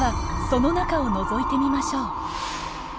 その中をのぞいてみましょう。